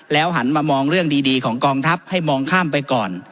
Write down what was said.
หันมามองเรื่องดีของกองทัพให้มองข้ามไปก่อน